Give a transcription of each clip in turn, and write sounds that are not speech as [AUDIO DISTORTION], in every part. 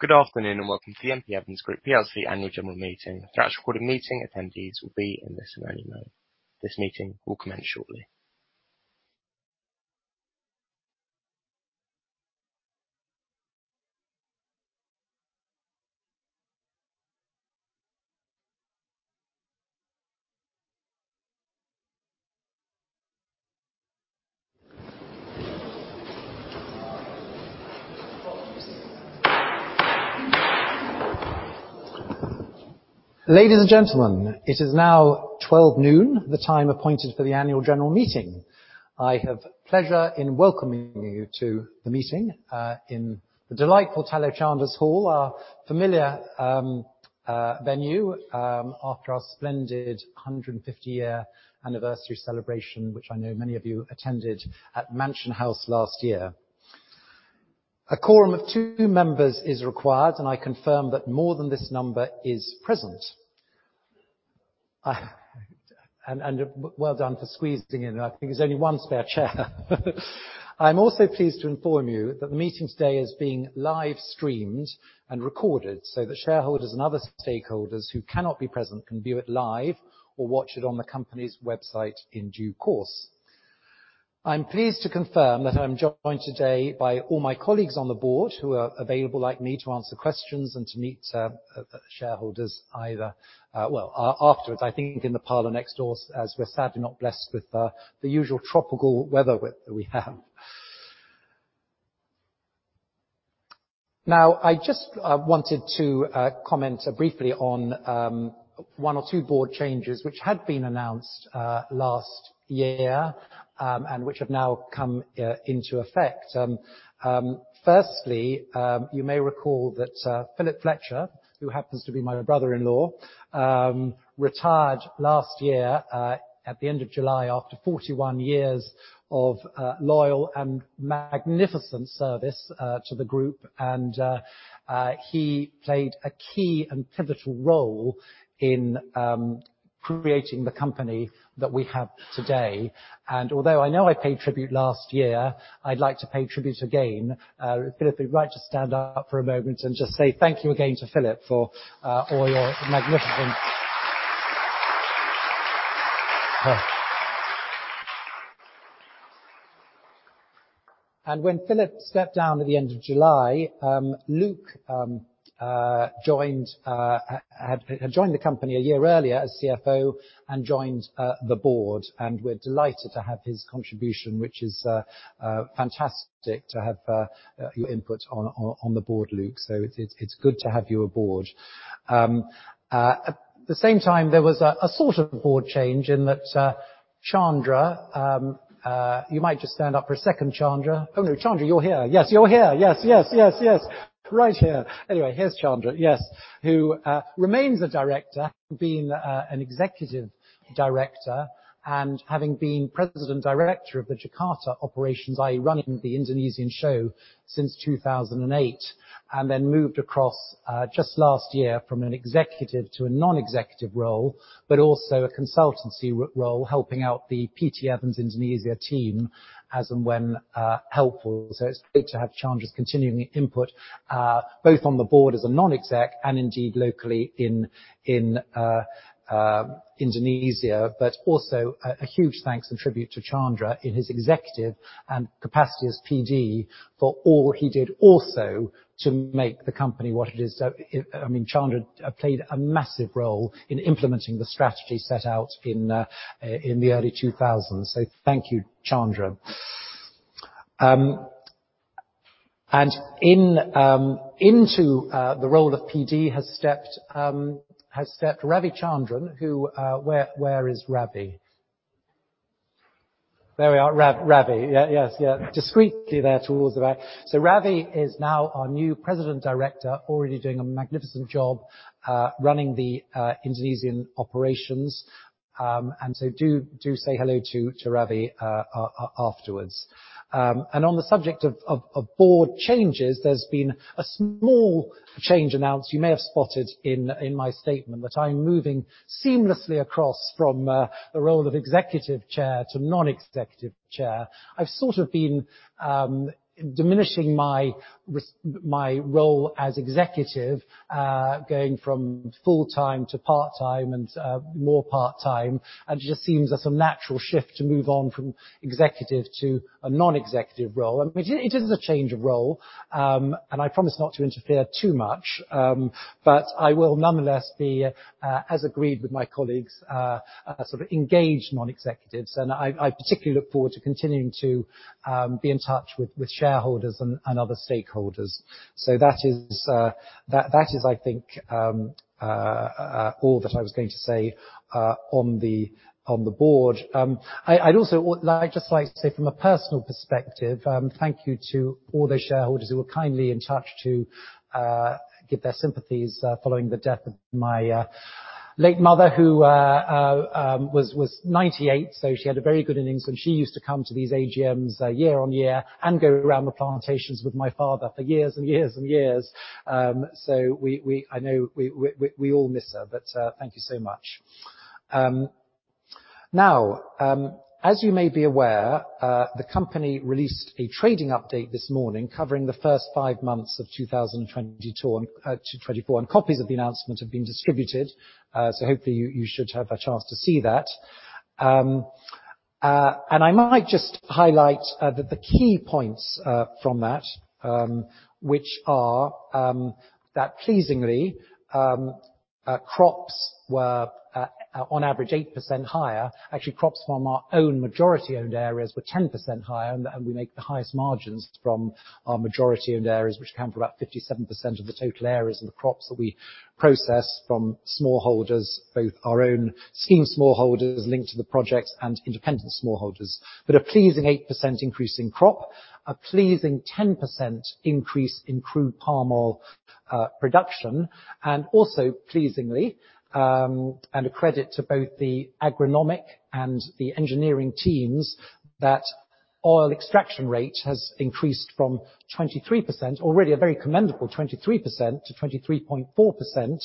Good afternoon, and welcome to the M.P. Evans Group PLC Annual General Meeting. Throughout your recorded meeting, attendees will be in listen-only mode. This meeting will commence shortly. Ladies and gentlemen, it is now 12 noon, the time appointed for the annual general meeting. I have pleasure in welcoming you to the meeting, in the delightful Tallow Chandlers' Hall, our familiar venue, after our splendid 150-year anniversary celebration, which I know many of you attended at Mansion House last year. A quorum of two members is required, and I confirm that more than this number is present. Well done for squeezing in. I think there's only one spare chair. I'm also pleased to inform you that the meeting today is being live streamed and recorded, so that shareholders and other stakeholders who cannot be present can view it live or watch it on the company's website in due course. I'm pleased to confirm that I'm joined today by all my colleagues on the board, who are available, like me, to answer questions and to meet shareholders afterwards, I think, in the parlor next door, as we're sadly not blessed with the usual tropical weather we have. Now, I just wanted to comment briefly on one or two board changes which had been announced last year, and which have now come into effect. Firstly, you may recall that Philip Fletcher, who happens to be my brother-in-law, retired last year at the end of July, after 41 years of loyal and magnificent service to the group. And he played a key and pivotal role in creating the company that we have today. Although I know I paid tribute last year, I'd like to pay tribute again. Philip, it'd be right to stand up for a moment and just say thank you again to Philip for all your magnificent [AUDIO DISTORTION] When Philip stepped down at the end of July, Luke had joined the company a year earlier as CFO and joined the board. We're delighted to have his contribution, which is fantastic to have your input on the board, Luke, so it's good to have you aboard. At the same time, there was a sort of board change in that, Chandra, you might just stand up for a second, Chandra. Oh, no, Chandra, you're here. Yes, you're here! Yes, yes, yes, yes. Right here. Anyway, here's Chandra, yes, who remains a director, being an executive director, and having been President Director of the Jakarta operations, i.e., running the Indonesian show since 2008, and then moved across just last year from an executive to a non-executive role, but also a consultancy role, helping out the PT Evans Indonesia team as and when helpful. So it's great to have Chandra's continuing input both on the board as a non-exec and indeed locally in Indonesia. But also a huge thanks and tribute to Chandra in his executive capacity as PD, for all he did also to make the company what it is. So, I mean, Chandra played a massive role in implementing the strategy set out in the early 2000s. So thank you, Chandra. And into the role of PD has stepped Ravichandran, who... Where is Ravi? There we are, Ravi. Yeah, yes, yeah. Discreetly there towards the back. So Ravi is now our new President Director, already doing a magnificent job, running the Indonesian operations. And so do say hello to Ravi afterwards. And on the subject of board changes, there's been a small change announced. You may have spotted in my statement that I'm moving seamlessly across from the role of Executive Chair to Non-Executive Chair. I've sort of been diminishing my role as executive, going from full-time to part-time and more part-time, and it just seems as a natural shift to move on from executive to a non-executive role. And it is, it is a change of role, and I promise not to interfere too much, but I will nonetheless be, as agreed with my colleagues, sort of engaged non-executive. So I, I particularly look forward to continuing to, be in touch with, with shareholders and, and other stakeholders. So that is, that, that is, I think, all that I was going to say, on the, on the board. I'd also like, just like to say from a personal perspective, thank you to all the shareholders who were kindly in touch to give their sympathies following the death of my late mother, who was 98, so she had a very good innings, and she used to come to these AGMs year-on-year and go around the plantations with my father for years and years and years. So I know we all miss her, but thank you so much. Now, as you may be aware, the company released a trading update this morning covering the first 5 months of 2022-2024, and copies of the announcement have been distributed, so hopefully you should have a chance to see that. And I might just highlight that the key points from that, which are, that pleasingly, crops were on average, 8% higher. Actually, crops from our own majority-owned areas were 10% higher, and we make the highest margins from our majority-owned areas, which account for about 57% of the total areas and the crops that we process from smallholders, both our own scheme smallholders linked to the projects and independent smallholders. But a pleasing 8% increase in crop, a pleasing 10% increase in crude palm oil production, and also pleasingly, and a credit to both the agronomic and the engineering teams, that oil extraction rate has increased from 23%, already a very commendable 23%-23.4%,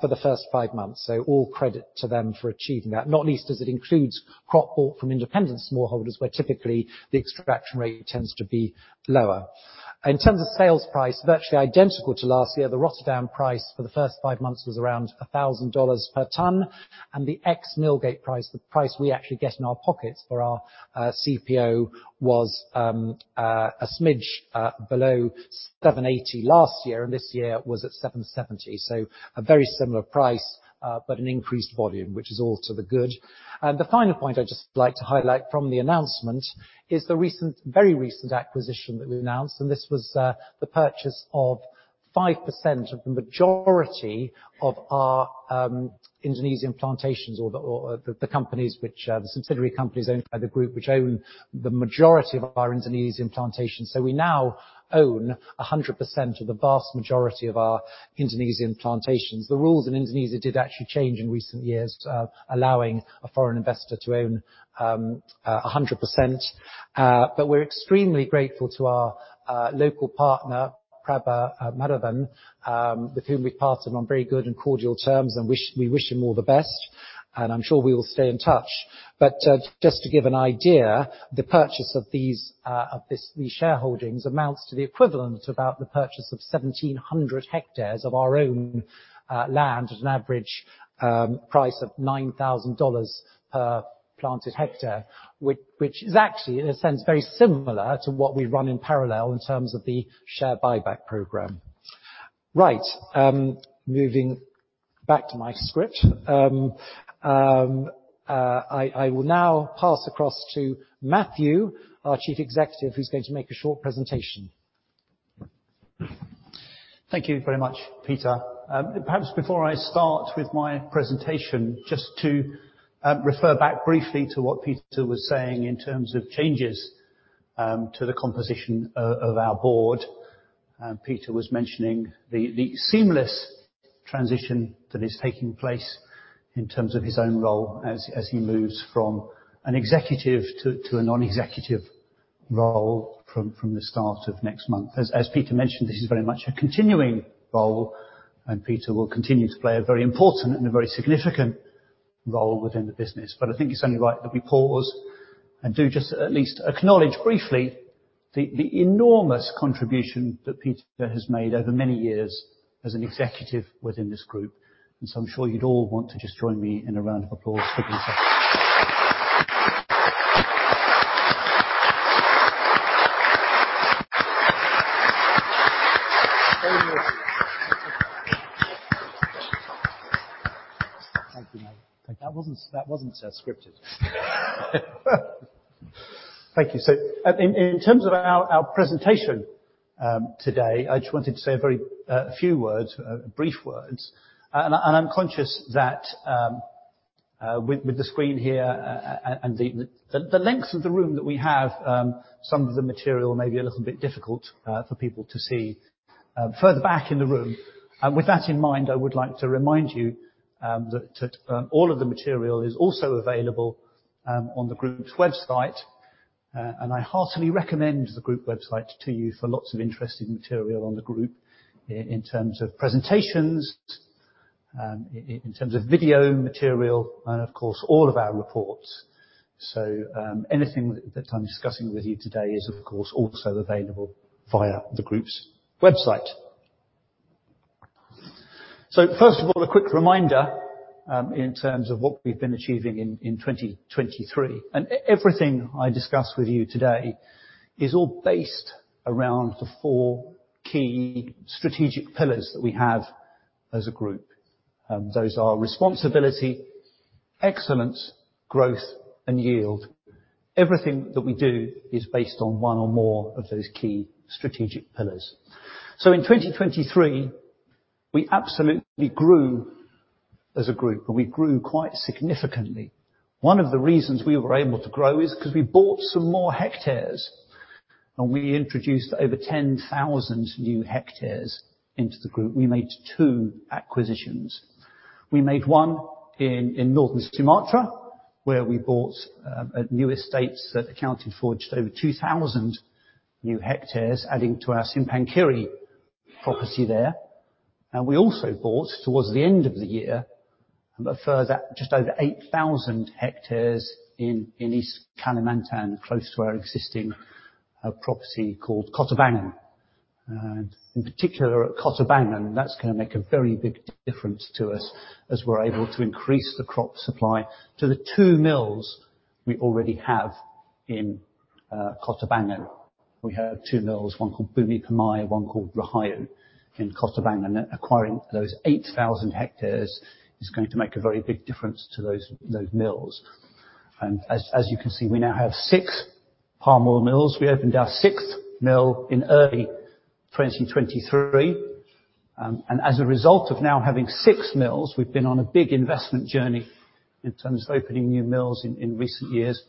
for the first 5 months. So all credit to them for achieving that, not least as it includes crop bought from independent smallholders, where typically the extraction rate tends to be lower. In terms of sales price, virtually identical to last year, the Rotterdam price for the first five months was around $1,000 per ton, and the ex-mill gate price, the price we actually get in our pockets for our, CPO, was, a smidge, below 780 last year, and this year was at 770. So a very similar price, but an increased volume, which is all to the good. And the final point I'd just like to highlight from the announcement is the recent, very recent acquisition that we announced, and this was the purchase of 5% of the majority of our Indonesian plantations, or the companies which the subsidiary companies owned by the group, which own the majority of our Indonesian plantations. So we now own 100% of the vast majority of our Indonesian plantations. The rules in Indonesia did actually change in recent years, allowing a foreign investor to own 100%. But we're extremely grateful to our local partner, Praba Madhavan, with whom we've partnered on very good and cordial terms, and we wish him all the best, and I'm sure we will stay in touch. But, just to give an idea, the purchase of these shareholdings amounts to the equivalent, about the purchase of 1,700 hectares of our own land at an average price of $9,000 per planted hectare, which is actually, in a sense, very similar to what we run in parallel in terms of the share buyback program. Right. Moving back to my script, I will now pass across to Matthew, our Chief Executive, who's going to make a short presentation. Thank you very much, Peter. Perhaps before I start with my presentation, just to refer back briefly to what Peter was saying in terms of changes to the composition of our board. Peter was mentioning the seamless transition that is taking place in terms of his own role as he moves from an executive to a non-executive role from the start of next month. As Peter mentioned, this is very much a continuing role, and Peter will continue to play a very important and a very significant role within the business. But I think it's only right that we pause and do just at least acknowledge briefly the enormous contribution that Peter has made over many years as an executive within this group. I'm sure you'd all want to just join me in a round of applause for Peter. Thank you. Thank you. That wasn't scripted. Thank you. So, in terms of our presentation today, I just wanted to say a very few words, brief words. And I'm conscious that with the screen here, and the length of the room that we have, some of the material may be a little bit difficult for people to see further back in the room. And with that in mind, I would like to remind you that all of the material is also available on the group's website. And I heartily recommend the group website to you for lots of interesting material on the group in terms of presentations, in terms of video material, and of course, all of our reports. So, anything that I'm discussing with you today is, of course, also available via the group's website. So first of all, a quick reminder, in terms of what we've been achieving in 2023, and everything I discuss with you today is all based around the four key strategic pillars that we have as a group. Those are responsibility, excellence, growth, and yield. Everything that we do is based on one or more of those key strategic pillars. So in 2023, we absolutely grew as a group, and we grew quite significantly. One of the reasons we were able to grow is because we bought some more hectares, and we introduced over 10,000 new hectares into the group. We made two acquisitions. We made one in northern Sumatra, where we bought new estates that accounted for just over 2,000 new hectares, adding to our Simpang Kiri property there. We also bought, towards the end of the year, a further just over 8,000 hectares in East Kalimantan, close to our existing property called Kota Bangun. In particular, at Kota Bangun, that's gonna make a very big difference to us as we're able to increase the crop supply to the 2 mills we already have in Kota Bangun. We have 2 mills, one called Bumi Permai, one called Rahayu, in Kota Bangun. Acquiring those 8,000 hectares is going to make a very big difference to those mills. As you can see, we now have 6 palm oil mills. We opened our sixth mill in early 2023. As a result of now having 6 mills, we've been on a big investment journey in terms of opening new mills in recent years.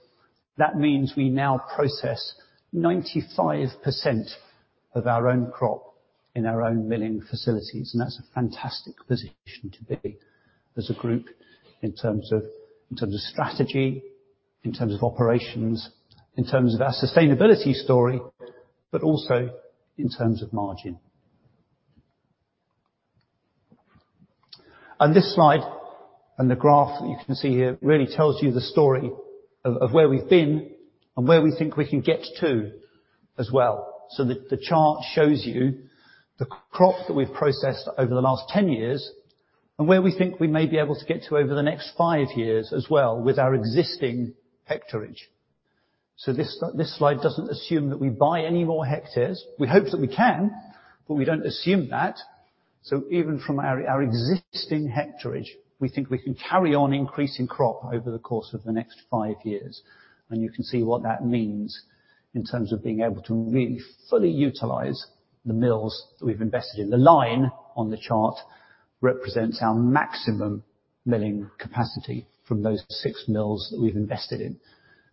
That means we now process 95% of our own crop in our own milling facilities, and that's a fantastic position to be as a group in terms of strategy, in terms of operations, in terms of our sustainability story, but also in terms of margin. On this slide, and the graph that you can see here really tells you the story of where we've been and where we think we can get to as well. So the chart shows you the crop that we've processed over the last 10 years and where we think we may be able to get to over the next 5 years as well with our existing hectareage. So this slide doesn't assume that we buy any more hectares. We hope that we can, but we don't assume that. So even from our existing hectareage, we think we can carry on increasing crop over the course of the next five years, and you can see what that means in terms of being able to really fully utilize the mills that we've invested in. The line on the chart represents our maximum milling capacity from those six mills that we've invested in.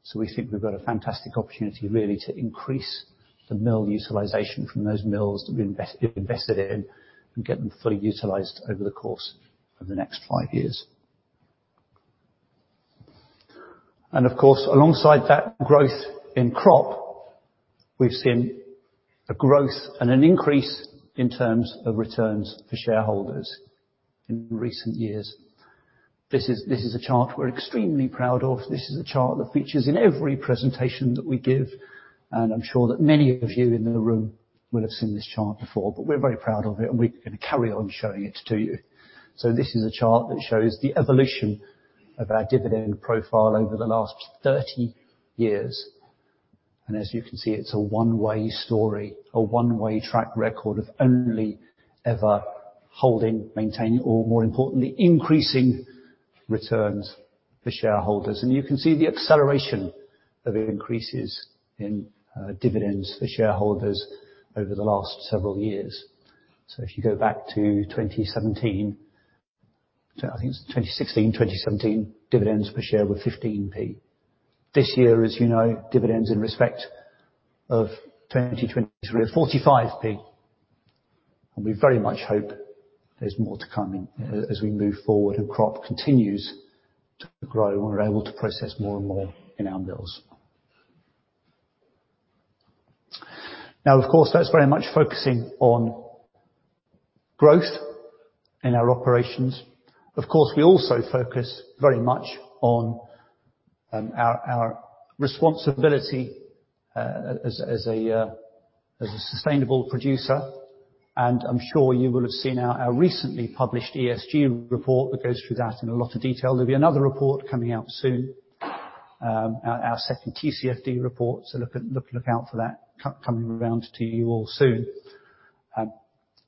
So we think we've got a fantastic opportunity, really, to increase the mill utilization from those mills that we've invested in and get them fully utilized over the course of the next five years. And of course, alongside that growth in crop, we've seen a growth and an increase in terms of returns for shareholders in recent years. This is, this is a chart we're extremely proud of. This is a chart that features in every presentation that we give, and I'm sure that many of you in the room will have seen this chart before, but we're very proud of it, and we're gonna carry on showing it to you. So this is a chart that shows the evolution of our dividend profile over the last 30 years. And as you can see, it's a one-way story, a one-way track record of only ever holding, maintaining, or more importantly, increasing returns for shareholders. And you can see the acceleration of the increases in, dividends for shareholders over the last several years. So if you go back to 2017, so I think it's 2016, 2017, dividends per share were 15p. This year, as you know, dividends in respect of 2023 are 45p, and we very much hope there's more to come in as we move forward and crop continues to grow, and we're able to process more and more in our mills. Now, of course, that's very much focusing on growth in our operations. Of course, we also focus very much on our responsibility as a sustainable producer, and I'm sure you will have seen our recently published ESG report that goes through that in a lot of detail. There'll be another report coming out soon, our second TCFD report, so look out for that coming around to you all soon.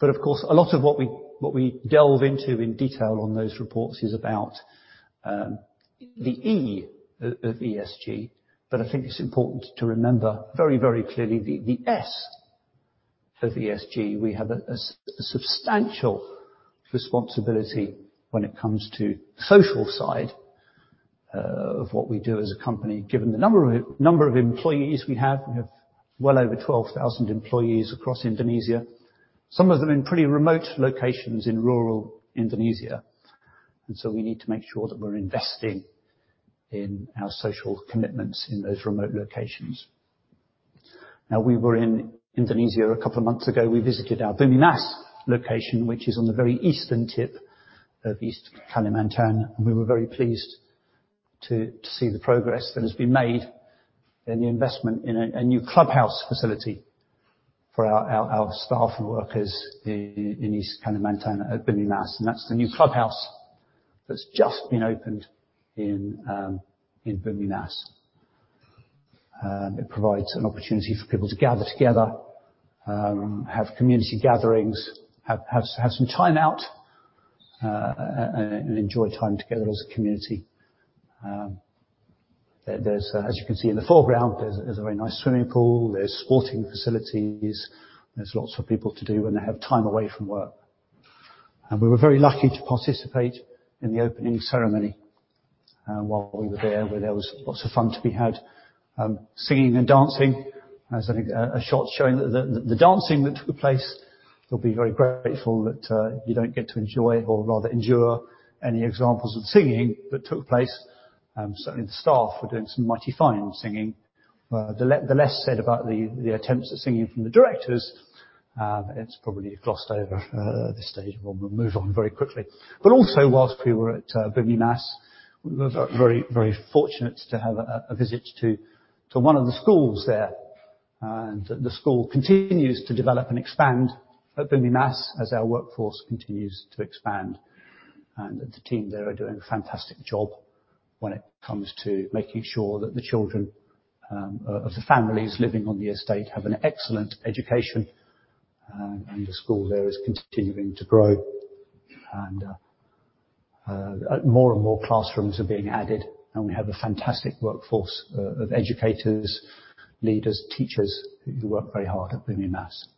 But of course, a lot of what we delve into in detail on those reports is about the E of ESG, but I think it's important to remember very, very clearly the S of ESG. We have a substantial responsibility when it comes to social side of what we do as a company, given the number of employees we have. We have well over 12,000 employees across Indonesia, some of them in pretty remote locations in rural Indonesia, and so we need to make sure that we're investing in our social commitments in those remote locations. Now, we were in Indonesia a couple of months ago. We visited our Bumi Mas location, which is on the very eastern tip of East Kalimantan, and we were very pleased to see the progress that has been made and the investment in a new clubhouse facility for our staff and workers in East Kalimantan at Bumi Mas. And that's the new clubhouse that's just been opened in Bumi Mas. It provides an opportunity for people to gather together, have community gatherings, have some time out, and enjoy time together as a community. There, as you can see in the foreground, there's a very nice swimming pool, there's sporting facilities, there's lots for people to do when they have time away from work. We were very lucky to participate in the opening ceremony, while we were there, where there was lots of fun to be had, singing and dancing. There's a shot showing the dancing that took place. You'll be very grateful that you don't get to enjoy or rather endure any examples of singing that took place. Certainly the staff were doing some mighty fine singing. The less said about the attempts at singing from the directors, it's probably glossed over at this stage. We'll move on very quickly. But also, whilst we were at Bumi Mas, we were very, very fortunate to have a visit to one of the schools there. And the school continues to develop and expand at Bumi Mas as our workforce continues to expand. And the team there are doing a fantastic job when it comes to making sure that the children of the families living on the estate have an excellent education. And the school there is continuing to grow, and more and more classrooms are being added, and we have a fantastic workforce of educators, leaders, teachers, who work very hard at Bumi Mas.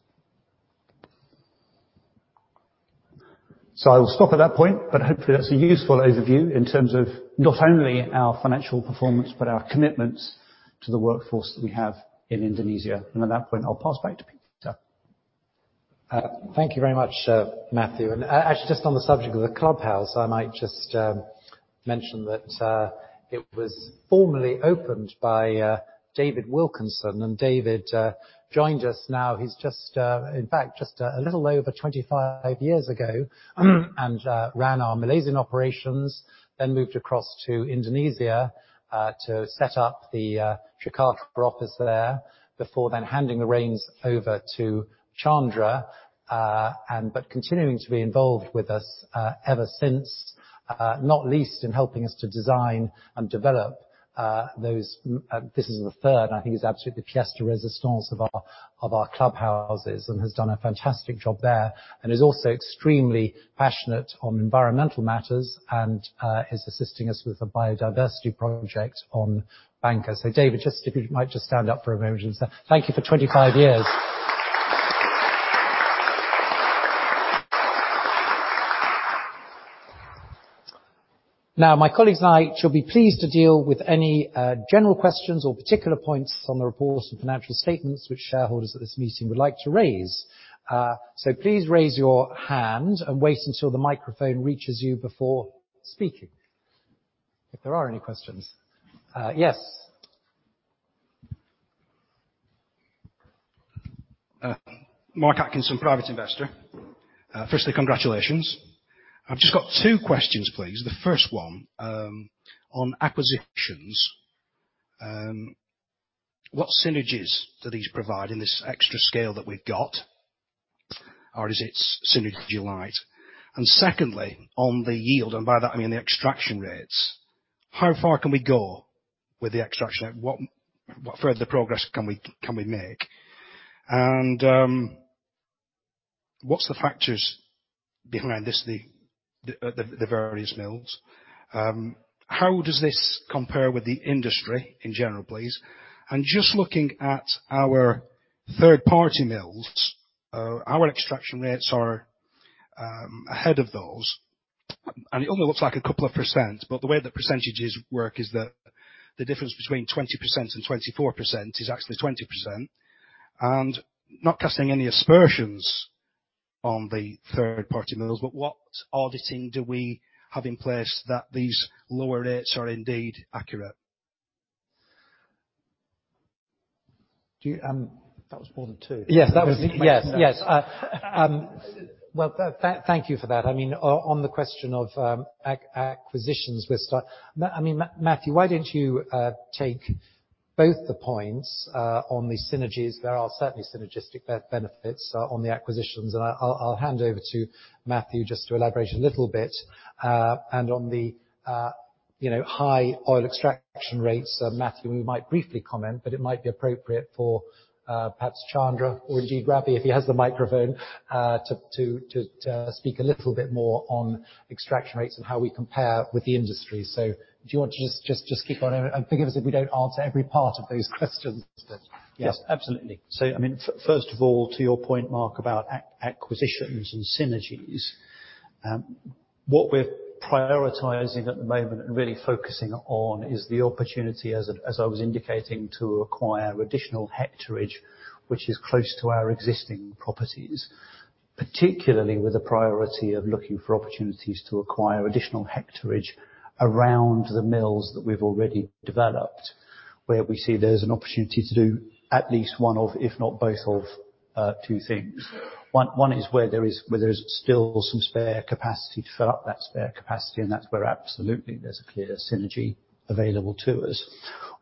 So I will stop at that point, but hopefully, that's a useful overview in terms of not only our financial performance, but our commitments to the workforce that we have in Indonesia. And at that point, I'll pass back to Peter. Thank you very much, Matthew. And actually, just on the subject of the clubhouse, I might just mention that it was formally opened by David Wilkinson. And David joined us now, he's just... in fact, just a little over 25 years ago, and ran our Malaysian operations, then moved across to Indonesia to set up the Jakarta office there, before then handing the reins over to Chandra. And but continuing to be involved with us ever since, not least in helping us to design and develop, this is the third, I think, is absolutely the pièce de résistance of our clubhouses, and has done a fantastic job there, and is also extremely passionate on environmental matters, and is assisting us with a biodiversity project on Bangka. So David, just if you might just stand up for a moment. Sir, thank you for 25 years. Now, my colleagues and I shall be pleased to deal with any general questions or particular points on the report and financial statements which shareholders at this meeting would like to raise. So please raise your hand, and wait until the microphone reaches you before speaking. If there are any questions. Yes? Mark Atkinson, private investor. Firstly, congratulations. I've just got 2 questions, please. The first one, on acquisitions. What synergies do these provide in this extra scale that we've got? Or is it synergy light? And secondly, on the yield, and by that, I mean, the extraction rates, how far can we go with the extraction rate? What further progress can we make? And, what's the factors behind this, the various mills? How does this compare with the industry in general, please? And just looking at our third-party mills, our extraction rates are ahead of those, and it only looks like a couple of percent, but the way the percentages work is that the difference between 20% and 24% is actually 20%. Not casting any aspersions on the third-party mills, but what auditing do we have in place that these lower rates are indeed accurate? Do you... That was more than two. Yes, that was- Makes sense. Yes, yes. Well, thank you for that. I mean, on the question of acquisitions, we'll start. I mean, Matthew, why don't you take both the points on the synergies? There are certainly synergistic benefits on the acquisitions. And I'll hand over to Matthew just to elaborate a little bit. And on the, you know, high oil extraction rates, Matthew, you might briefly comment, but it might be appropriate for perhaps Chandra or indeed Ravi, if he has the microphone, to speak a little bit more on extraction rates and how we compare with the industry. So if you want to just keep on going, and forgive us if we don't answer every part of those questions. Yes, absolutely. So I mean, first of all, to your point, Mark, about acquisitions and synergies, what we're prioritizing at the moment and really focusing on is the opportunity, as I was indicating, to acquire additional hectare, which is close to our existing properties. Particularly with the priority of looking for opportunities to acquire additional hectarage around the mills that we've already developed, where we see there's an opportunity to do at least one of, if not both of, two things. One is where there is still some spare capacity to fill up that spare capacity, and that's where absolutely there's a clear synergy available to us.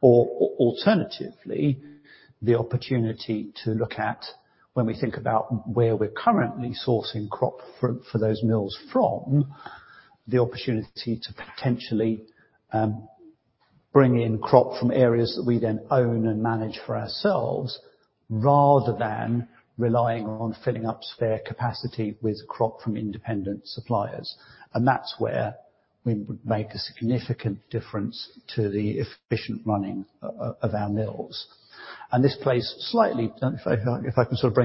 Or alternatively, the opportunity to look at when we think about where we're currently sourcing crop for those mills from, the opportunity to potentially bring in crop from areas that we then own and manage for ourselves, rather than relying on filling up spare capacity with crop from independent suppliers. And that's where we would make a significant difference to the efficient running of our mills. And this plays slightly... If I can sort of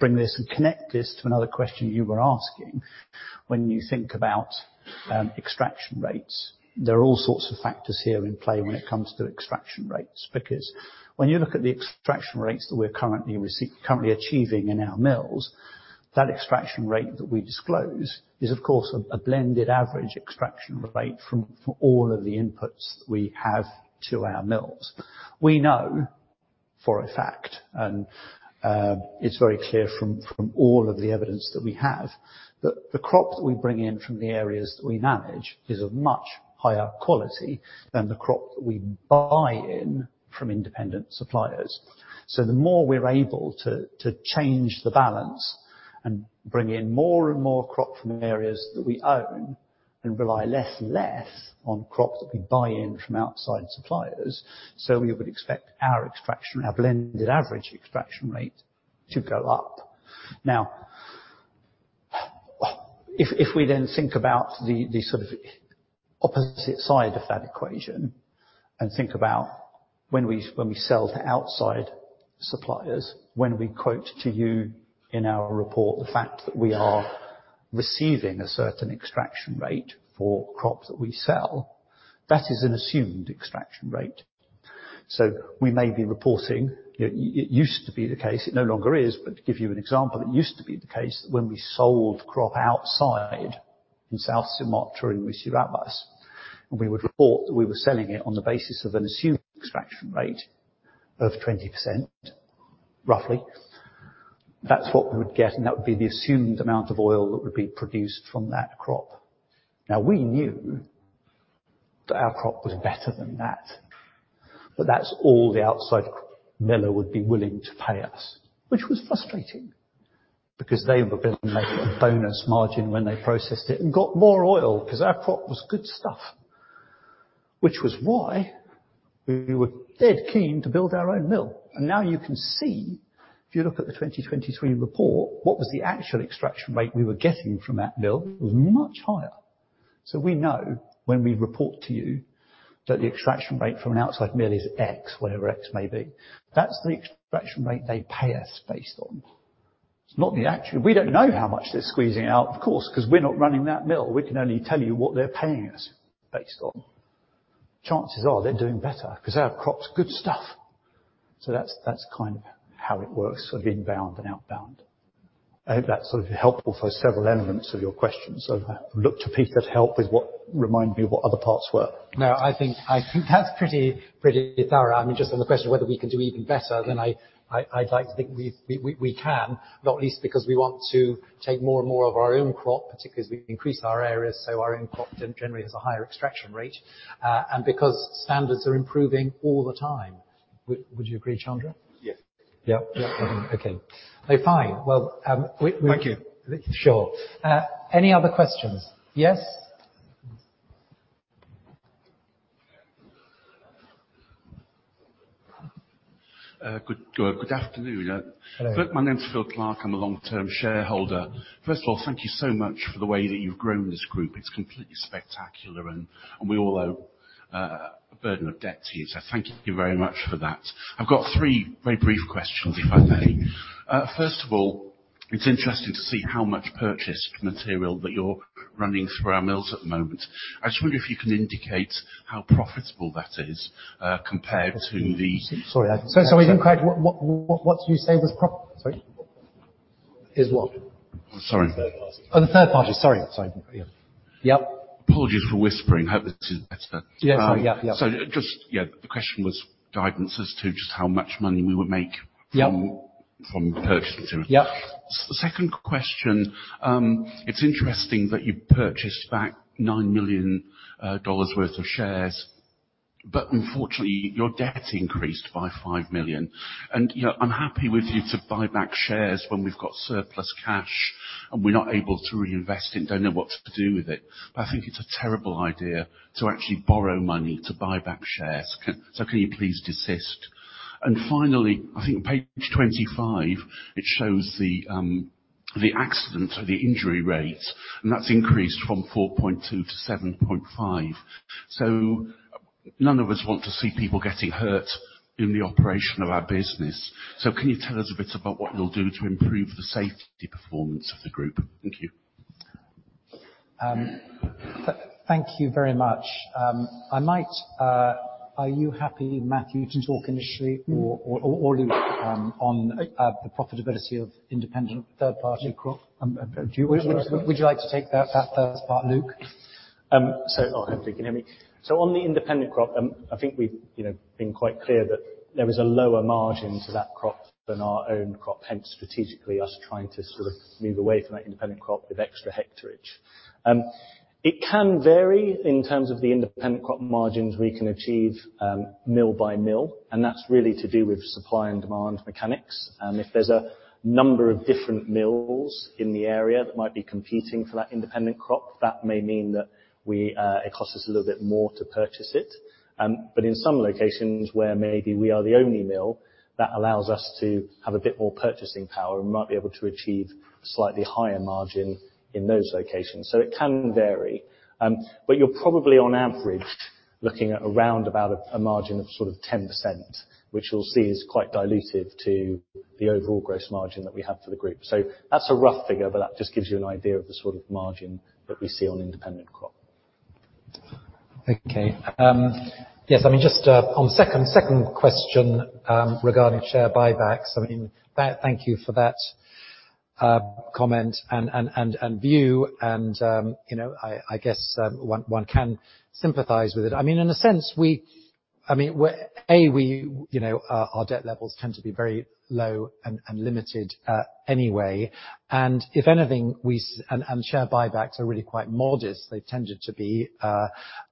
bring this and connect this to another question you were asking. When you think about extraction rates, there are all sorts of factors here in play when it comes to extraction rates, because when you look at the extraction rates that we're currently achieving in our mills, that extraction rate that we disclose is, of course, a blended average extraction rate for all of the inputs that we have to our mills. We know for a fact, and it's very clear from all of the evidence that we have, that the crop that we bring in from the areas that we manage is of much higher quality than the crop that we buy in from independent suppliers. So the more we're able to change the balance and bring in more and more crop from the areas that we own, and rely less and less on crops that we buy in from outside suppliers, so we would expect our extraction, our blended average extraction rate, to go up. Now, if we then think about the sort of opposite side of that equation, and think about when we sell to outside suppliers, when we quote to you in our report, the fact that we are receiving a certain extraction rate for crops that we sell, that is an assumed extraction rate. So we may be reporting. It used to be the case, it no longer is, but to give you an example, it used to be the case that when we sold crop outside in South Sumatra and Riau Islands, and we would report that we were selling it on the basis of an assumed extraction rate of 20%, roughly, that's what we would get, and that would be the assumed amount of oil that would be produced from that crop. Now, we knew that our crop was better than that, but that's all the outside miller would be willing to pay us, which was frustrating, because they were able to make a bonus margin when they processed it and got more oil, 'cause our crop was good stuff. Which was why we were dead keen to build our own mill. And now you can see, if you look at the 2023 report, what was the actual extraction rate we were getting from that mill, it was much higher. So we know when we report to you that the extraction rate from an outside mill is X, whatever X may be, that's the extraction rate they pay us based on. It's not the actual- we don't know how much they're squeezing out, of course, 'cause we're not running that mill. We can only tell you what they're paying us based on. Chances are, they're doing better, 'cause our crop's good stuff. So that's, that's kind of how it works, sort of inbound and outbound. I hope that's sort of helpful for several elements of your question. So look to Peter to help with what-- remind me what other parts were. No, I think that's pretty thorough. I mean, just on the question of whether we can do even better, then I'd like to think we can, not least because we want to take more and more of our own crop, particularly as we increase our areas, so our own crop generally has a higher extraction rate, and because standards are improving all the time. Would you agree, Chandra? Yes. Yep, yep. Okay. Fine. Well, we Thank you. Sure. Any other questions? Yes. Good afternoon. Hello. My name is Phil Clark. I'm a long-term shareholder. First of all, thank you so much for the way that you've grown this group. It's completely spectacular, and we all owe a burden of debt to you, so thank you very much for that. I've got three very brief questions, if I may. First of all, it's interesting to see how much purchased material that you're running through our mills at the moment. I just wonder if you can indicate how profitable that is compared to the- Sorry. So incorrect. What you say was prof- Sorry? Is what? Sorry. Third party. Oh, the third party. Sorry, sorry. Yeah. Yep. Apologies for whispering. I hope this is better. Yeah. Sorry, yeah, yeah. Just, yeah, the question was guidance as to just how much money we would make- Yep... from purchased material. Yep. Second question, it's interesting that you purchased back $9 million worth of shares, but unfortunately, your debt increased by $5 million. And, you know, I'm happy with you to buy back shares when we've got surplus cash, and we're not able to reinvest it, don't know what to do with it, but I think it's a terrible idea to actually borrow money to buy back shares. So can you please desist? And finally, I think on page 25, it shows the accident or the injury rate, and that's increased from 4.2-7.5. So none of us want to see people getting hurt in the operation of our business. So can you tell us a bit about what we'll do to improve the safety performance of the group? Thank you. Thank you very much. I might, are you happy, Matthew, to talk initially- Mm-hmm. Or Luke, on the profitability of independent third-party crop? Would you like to take that first part, Luke? I hope you can hear me. So on the independent crop, I think we've, you know, been quite clear that there is a lower margin to that crop than our own crop, hence strategically us trying to sort of move away from that independent crop with extra hectare. It can vary in terms of the independent crop margins we can achieve, mill by mill, and that's really to do with supply and demand mechanics. If there's a number of different mills in the area that might be competing for that independent crop, that may mean that we, it costs us a little bit more to purchase it. But in some locations where maybe we are the only mill, that allows us to have a bit more purchasing power and might be able to achieve a slightly higher margin in those locations. So it can vary. But you're probably, on average, looking at around about a margin of sort of 10%, which we'll see is quite dilutive to the overall gross margin that we have for the group. So that's a rough figure, but that just gives you an idea of the sort of margin that we see on independent crop. Okay. Yes, I mean, just on second question, regarding share buybacks, I mean, thank you for that comment and view. And, you know, I guess, one can sympathize with it. I mean, in a sense, we, I mean, we're, we, you know, our debt levels tend to be very low and limited, anyway. And if anything, share buybacks are really quite modest, they've tended to be,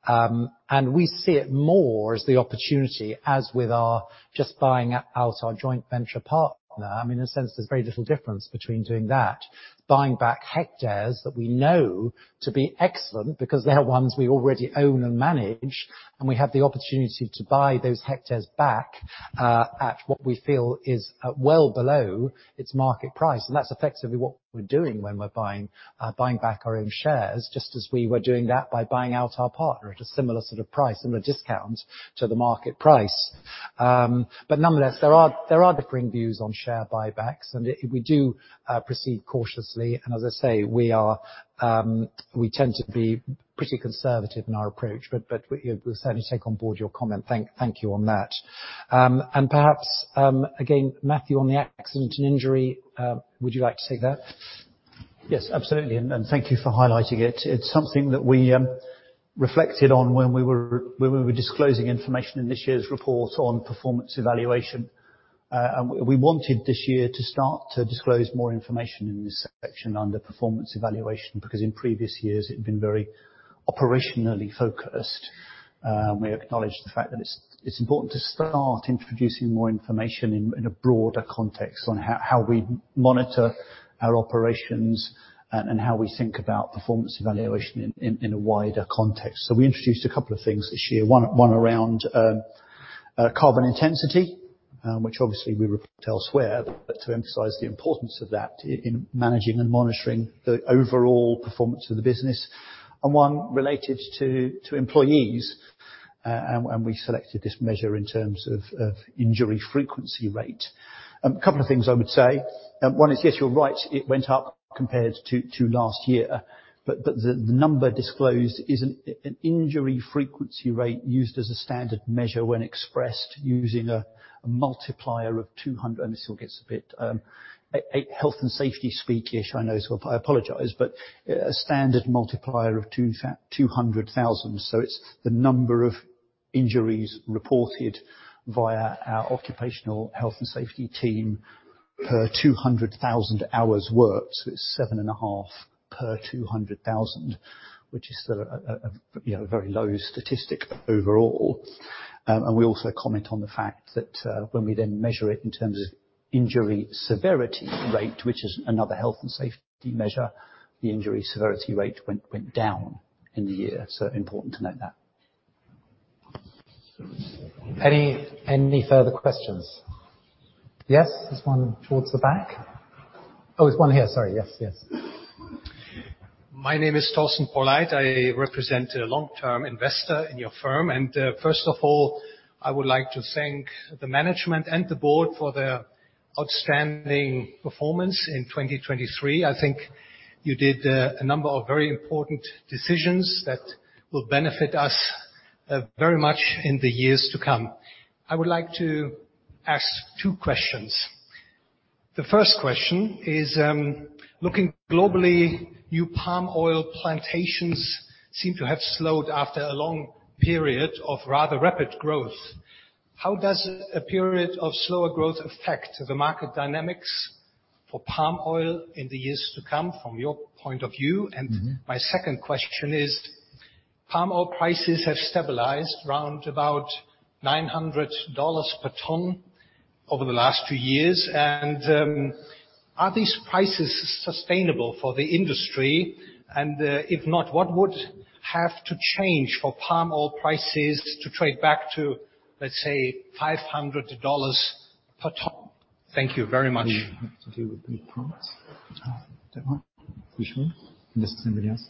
and we see it more as the opportunity, as with our just buying out our joint venture partner. I mean, in a sense, there's very little difference between doing that, buying back hectares that we know to be excellent because they are ones we already own and manage, and we have the opportunity to buy those hectares back at what we feel is well below its market price. And that's effectively what we're doing when we're buying back our own shares, just as we were doing that by buying out our partner at a similar sort of price, similar discount to the market price. But nonetheless, there are differing views on share buybacks, and we do proceed cautiously. And as I say, we tend to be pretty conservative in our approach, but we'll certainly take on board your comment. Thank you on that. Perhaps, again, Matthew, on the accident and injury, would you like to take that? Yes, absolutely. And thank you for highlighting it. It's something that we reflected on when we were disclosing information in this year's report on performance evaluation. And we wanted this year to start to disclose more information in this section under performance evaluation, because in previous years, it had been very operationally focused. We acknowledge the fact that it's important to start introducing more information in a broader context on how we monitor our operations, and how we think about performance evaluation in a wider context. So we introduced a couple of things this year. One around carbon intensity, which obviously we report elsewhere, but to emphasize the importance of that in managing and monitoring the overall performance of the business, and one related to employees. And we selected this measure in terms of injury frequency rate. A couple of things I would say, one is, yes, you're right, it went up compared to last year, but the number disclosed is an injury frequency rate used as a standard measure when expressed using a multiplier of 200... And this all gets a bit, a health and safety speakish. I know, so I apologize, but a standard multiplier of 200,000. So it's the number of injuries reported via our occupational health and safety team per 200,000 hours worked, so it's 7.5 per 200,000, which is sort of a, you know, a very low statistic overall. And we also comment on the fact that, when we then measure it in terms of injury severity rate, which is another health and safety measure, the injury severity rate went down in the year. So important to note that. Any further questions? Yes, there's one towards the back. Oh, there's one here. Sorry. Yes, yes. My name is Thorsten Polleit. I represent a long-term investor in your firm, and first of all, I would like to thank the management and the board for their outstanding performance in 2023. I think you did a number of very important decisions that will benefit us very much in the years to come. I would like to ask two questions. The first question is, looking globally, new palm oil plantations seem to have slowed after a long period of rather rapid growth. How does a period of slower growth affect the market dynamics for palm oil in the years to come, from your point of view? Mm-hmm. My second question is, palm oil prices have stabilized around about $900 per ton over the last two years. Are these prices sustainable for the industry? If not, what would have to change for palm oil prices to trade back to, let's say, $500 per ton? Thank you very much. To do with the palms. Are you sure? Unless anybody else.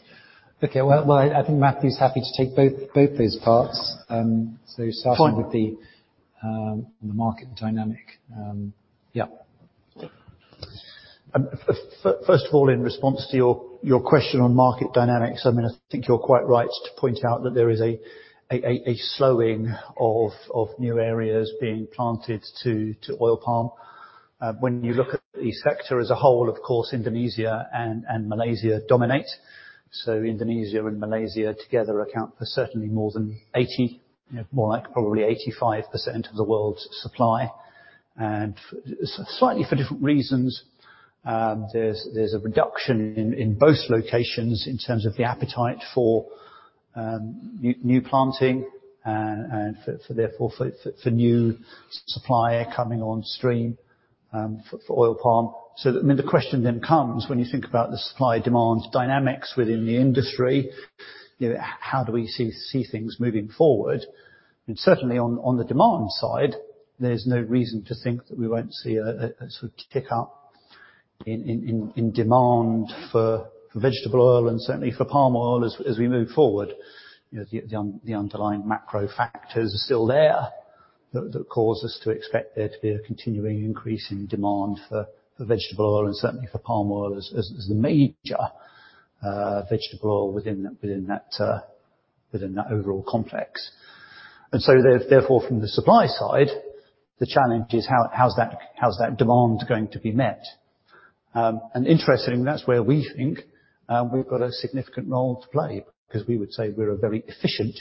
Okay, well, well, I think Matthew is happy to take both, both those parts, so starting- Fine. with the market dynamic. Yeah. First of all, in response to your question on market dynamics, I mean, I think you're quite right to point out that there is a slowing of new areas being planted to oil palm. When you look at the sector as a whole, of course, Indonesia and Malaysia dominate. So Indonesia and Malaysia together account for certainly more than 80, you know, more like probably 85% of the world's supply, and for slightly different reasons. There's a reduction in both locations in terms of the appetite for new planting and, therefore, for new supplier coming on stream, for oil palm. So, I mean, the question then comes, when you think about the supply/demand dynamics within the industry, you know, how do we see things moving forward? And certainly on the demand side, there's no reason to think that we won't see a sort of tick up in demand for vegetable oil and certainly for palm oil as we move forward. You know, the underlying macro factors are still there, that cause us to expect there to be a continuing increase in demand for vegetable oil and certainly for palm oil as the major vegetable oil within that overall complex. And so therefore, from the supply side, the challenge is how's that demand going to be met? Interestingly, that's where we think we've got a significant role to play, 'cause we would say we're a very efficient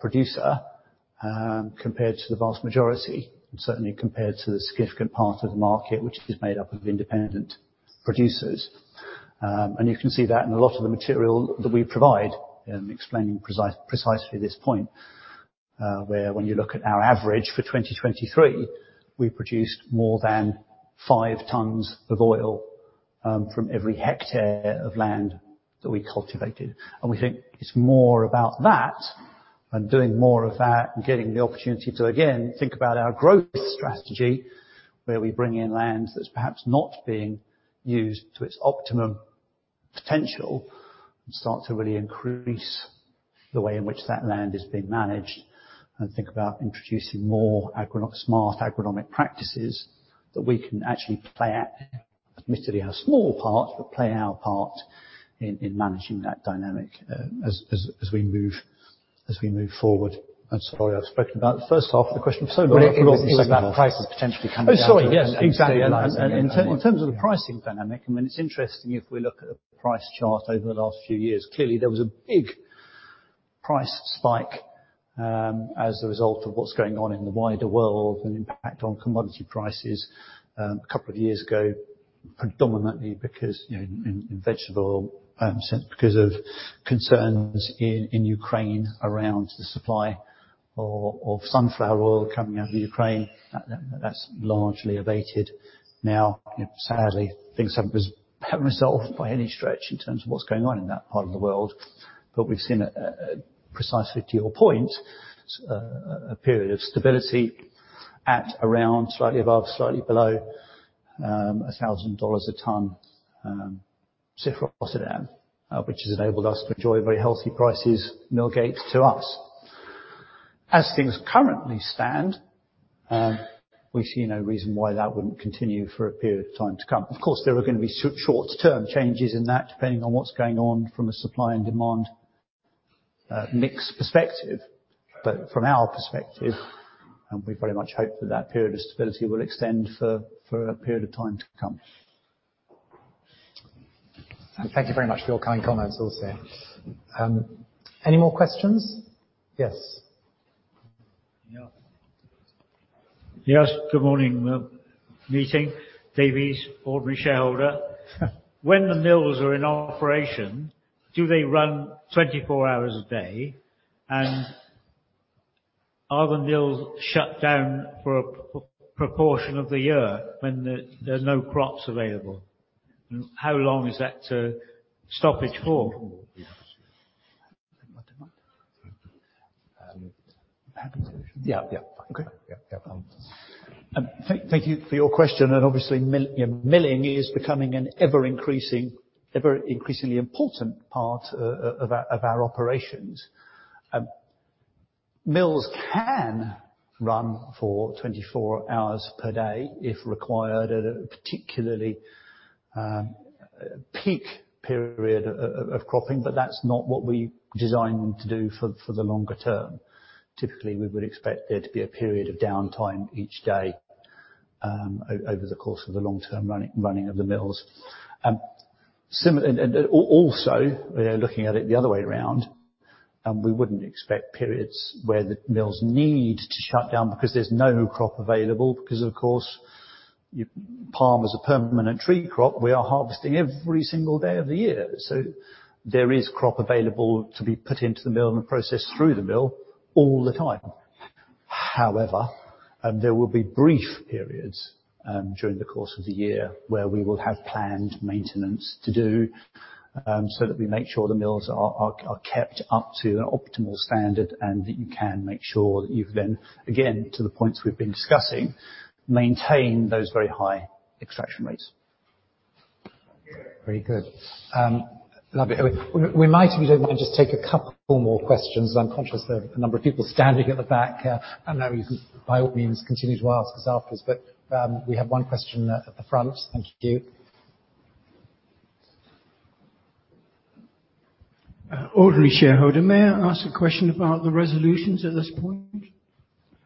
producer compared to the vast majority, and certainly compared to the significant part of the market, which is made up of independent producers. You can see that in a lot of the material that we provide in explaining precisely this point, where when you look at our average for 2023, we produced more than 5 tons of oil from every hectare of land that we cultivated. We think it's more about that and doing more of that and getting the opportunity to, again, think about our growth strategy, where we bring in land that's perhaps not being used to its optimum potential, and start to really increase the way in which that land is being managed. And think about introducing more smart agronomic practices that we can actually play out, admittedly, a small part, but play our part in managing that dynamic as we move forward. I'm sorry, I've spoken about the first half of the question, so - It was about price potentially coming down. Oh, sorry. Yes, exactly. And in terms of the pricing dynamic, I mean, it's interesting. If we look at a price chart over the last few years, clearly there was a big price spike as a result of what's going on in the wider world and impact on commodity prices a couple of years ago, predominantly because, you know, in vegetable because of concerns in Ukraine around the supply of sunflower oil coming out of Ukraine. That's largely abated now. Sadly, things haven't resolved by any stretch in terms of what's going on in that part of the world. But we've seen precisely to your point, a period of stability at around, slightly above, slightly below, $1,000 a ton, CIF Rotterdam, which has enabled us to enjoy very healthy prices mill gate to us. As things currently stand, we see no reason why that wouldn't continue for a period of time to come. Of course, there are gonna be short-term changes in that, depending on what's going on from a supply and demand, mix perspective. But from our perspective, and we very much hope that that period of stability will extend for a period of time to come. Thank you very much for your kind comments also. Any more questions? Yes. Yeah. Yes, good morning, meeting. Davies, ordinary shareholder. When the mills are in operation, do they run 24 hours a day? And are the mills shut down for a proportion of the year when there are no crops available? And how long is that stoppage for? Yeah, yeah. Okay. Yeah, yeah. Thank you for your question. And obviously, you know, milling is becoming an ever increasing, ever increasingly important part of our operations. Mills can run for 24 hours per day if required, at a particularly peak period of cropping, but that's not what we design them to do for the longer term. Typically, we would expect there to be a period of downtime each day, over the course of the long-term running of the mills. And also, you know, looking at it the other way around, we wouldn't expect periods where the mills need to shut down because there's no crop available, because, of course, palm is a permanent tree crop. We are harvesting every single day of the year, so there is crop available to be put into the mill and processed through the mill all the time. However, there will be brief periods, during the course of the year, where we will have planned maintenance to do, so that we make sure the mills are kept up to an optimal standard, and that you can make sure that you've then, again, to the points we've been discussing, maintain those very high extraction rates. Very good. Lovely. We might, if you don't mind, just take a couple more questions. I'm conscious there are a number of people standing at the back. And now you can, by all means, continue to ask us afterwards, but we have one question at the front. Thank you. Ordinary shareholder. May I ask a question about the resolutions at this point?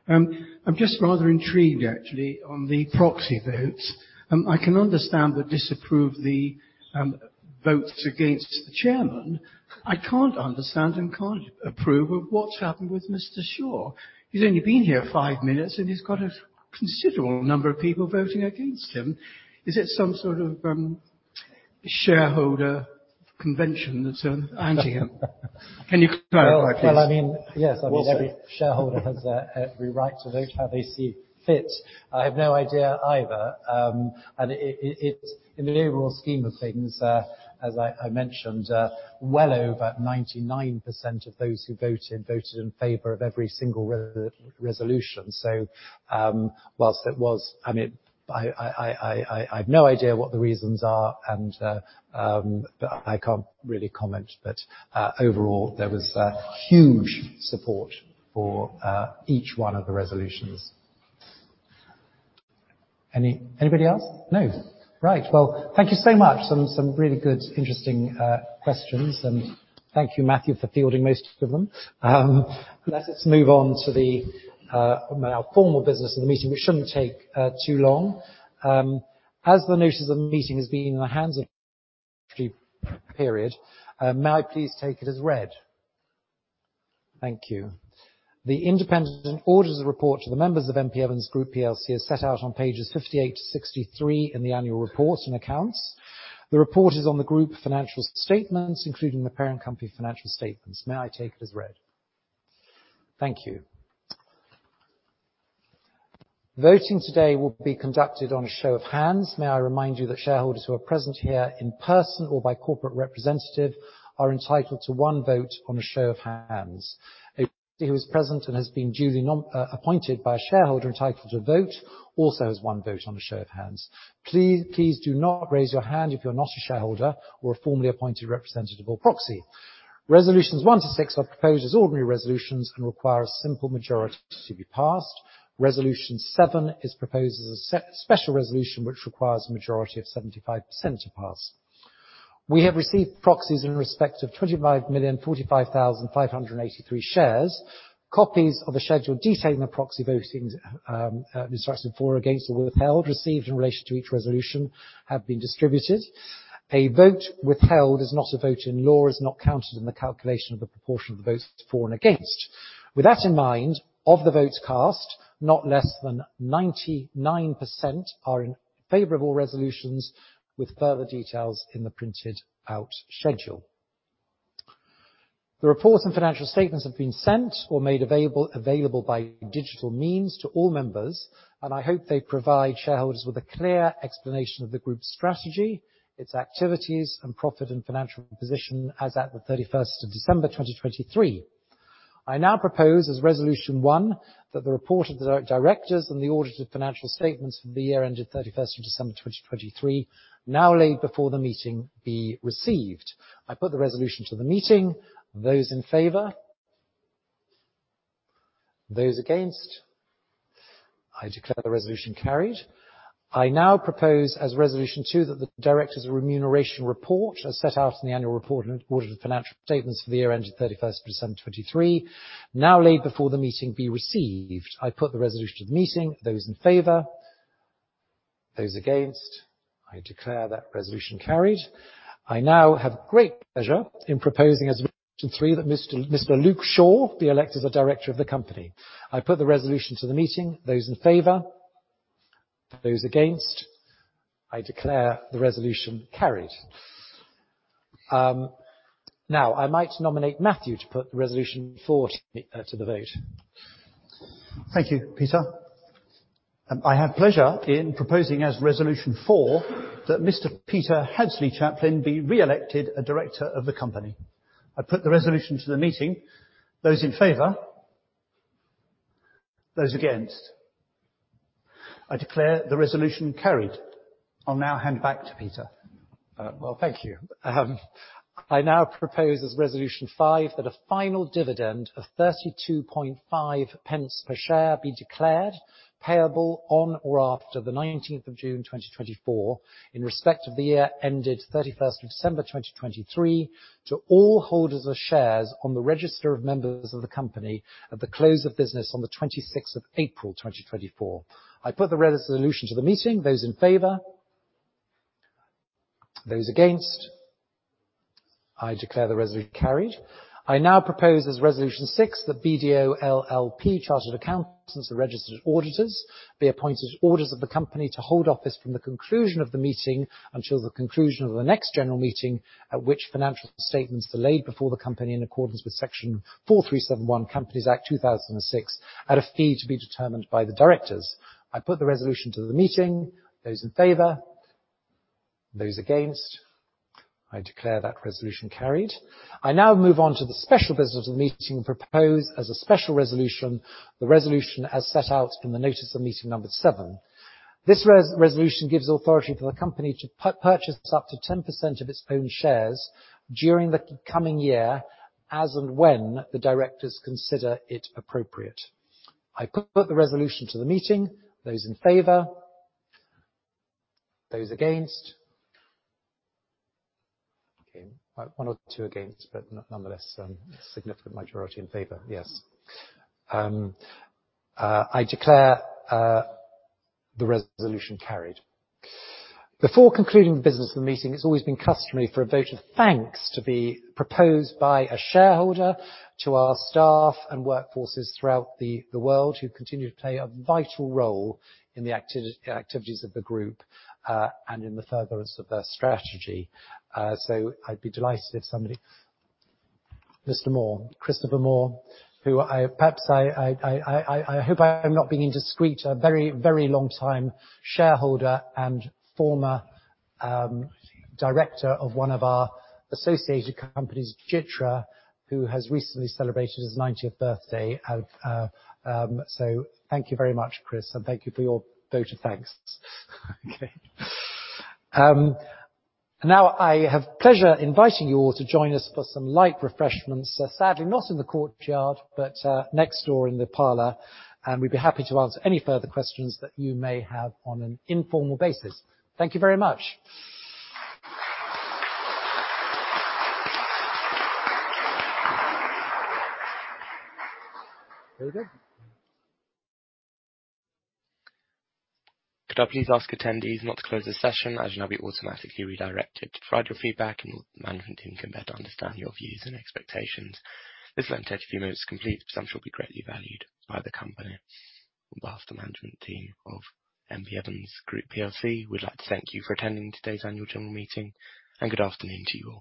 I'm just rather intrigued, actually, on the proxy votes. I can understand the disapprove, the, votes against the chairman. I can't understand and can't approve of what's happened with Mr. Shaw. He's only been here five minutes, and he's got a considerable number of people voting against him. Is it some sort of, shareholder convention that's, anti him? Can you clarify, please? Well, I mean, yes, I mean, every shareholder has the every right to vote how they see fit. I have no idea either, and it's in the overall scheme of things, as I mentioned, well over 99% of those who voted, voted in favor of every single resolution. So, whilst it was... I mean, I have no idea what the reasons are, and, but I can't really comment. But, overall, there was huge support for each one of the resolutions. Anybody else? No. Right. Well, thank you so much. Some really good, interesting questions, and thank you, Matthew, for fielding most of them. Let's move on to our formal business of the meeting, which shouldn't take too long. As the notice of the meeting has been in the hands of shareholders for the period, may I please take it as read? Thank you. The independent auditors' report to the members of M.P. Evans Group PLC is set out on pages 58-63 in the Annual Report and Accounts. The report is on the group financial statements, including the parent company financial statements. May I take it as read? Thank you. Voting today will be conducted on a show of hands. May I remind you that shareholders who are present here in person or by corporate representative are entitled to one vote on a show of hands. Anyone who is present and has been duly nominated or appointed by a shareholder entitled to vote, also has one vote on a show of hands. Please, please do not raise your hand if you're not a shareholder or a formally appointed representative or proxy. Resolutions 1-6 are proposed as ordinary resolutions and require a simple majority to be passed. Resolution 7 is proposed as a special resolution, which requires a majority of 75% to pass. We have received proxies in respect of 25,045,583 shares. Copies of the schedule detailing the proxy voting instructed for or against or withheld, received in relation to each resolution have been distributed. A vote withheld is not a vote in law, is not counted in the calculation of the proportion of the votes for and against. With that in mind, of the votes cast, not less than 99% are in favorable resolutions, with further details in the printed out schedule. The reports and financial statements have been sent or made available by digital means to all members, and I hope they provide shareholders with a clear explanation of the group's strategy, its activities, and profit and financial position as at the 31st of December, 2023. I now propose as resolution one, that the report of the directors and the audited financial statements for the year ended 31st of December, 2023, now laid before the meeting, be received. I put the resolution to the meeting. Those in favor? Those against? I declare the resolution carried. I now propose, as resolution two, that the Directors' Remuneration Report, as set out in the annual report and audited financial statements for the year ended 31st of December, 2023, now laid before the meeting, be received. I put the resolution to the meeting. Those in favor? Those against? I declare that resolution carried. I now have great pleasure in proposing as resolution three, that Mr. Luke Shaw be elected as a director of the company. I put the resolution to the meeting. Those in favor? Those against? I declare the resolution carried. Now, I might nominate Matthew to put the resolution four to the vote. Thank you, Peter. I have pleasure in proposing as resolution four, that Mr. Peter Hadsley-Chaplin be re-elected a director of the company. I put the resolution to the meeting. Those in favor? Those against? I declare the resolution carried. I'll now hand back to Peter. Well, thank you. I now propose as resolution five, that a final dividend of 0.325 per share be declared, payable on or after the 19th of June 2024, in respect of the year ended 31st of December 2023, to all holders of shares on the register of members of the company, at the close of business on the 26th of April 2024. I put the resolution to the meeting. Those in favor? Those against? I declare the resolution carried. I now propose as resolution 6, that BDO LLP Chartered Accountants and Registered Auditors, be appointed as auditors of the company to hold office from the conclusion of the meeting until the conclusion of the next general meeting, at which financial statements are laid before the company in accordance with Section 4371, Companies Act 2006, at a fee to be determined by the directors. I put the resolution to the meeting. Those in favor? Those against? I declare that resolution carried. I now move on to the special business of the meeting, proposed as a special resolution, the resolution as set out in the notice of meeting number 7. This resolution gives authority for the company to purchase up to 10% of its own shares during the coming year, as and when the directors consider it appropriate. I put the resolution to the meeting. Those in favor? Those against? Okay, one or two against, but nonetheless, significant majority in favor. Yes. I declare the resolution carried. Before concluding the business of the meeting, it's always been customary for a vote of thanks to be proposed by a shareholder to our staff and workforces throughout the world, who continue to play a vital role in the activities of the group, and in the furtherance of their strategy. So I'd be delighted if somebody... Mr. Moore, Christopher Moore, who I perhaps hope I'm not being indiscreet. A very, very long time shareholder and former director of one of our associated companies, Jitra, who has recently celebrated his ninetieth birthday. Thank you very much, Chris, and thank you for your vote of thanks. Okay. Now, I have pleasure inviting you all to join us for some light refreshments. Sadly, not in the courtyard, but next door in the parlor, and we'd be happy to answer any further questions that you may have on an informal basis. Thank you very much. Could I please ask attendees not to close this session, as you will now be automatically redirected to provide your feedback and management team can better understand your views and expectations. This will only take a few minutes to complete, but some shall be greatly valued by the company. On behalf of the management team of M.P. Evans Group PLC, we'd like to thank you for attending today's Annual General Meeting, and good afternoon to you all.